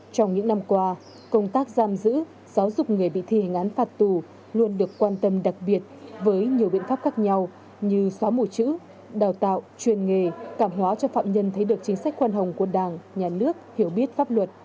trong những năm qua công tác giam giữ giáo dục người bị thi hành án phạt tù luôn được quan tâm đặc biệt với nhiều biện pháp khác nhau như xóa mù chữ đào tạo chuyên nghề cảm hóa cho phạm nhân thấy được chính sách khoan hồng của đảng nhà nước hiểu biết pháp luật